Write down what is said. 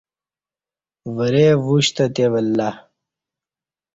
ورے وُشتہ تے ولہ